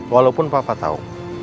walaupun papa tau